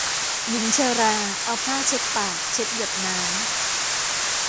หญิงชราเอาผ้าเช็ดปากเช็ดหยดน้ำ